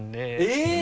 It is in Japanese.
えっ！